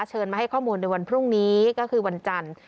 เชิญมาให้ข้อมูลในวันพรุ่งนี้ก็คือวันจันทร์